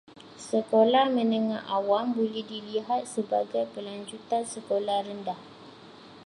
Sekolah menengah awam boleh dilihat sebagai pelanjutan sekolah rendah.